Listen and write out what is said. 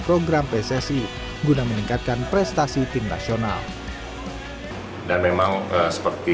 program pssi guna meningkatkan prestasi timnasional dan memang seperti